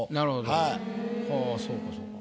はあそうかそうか。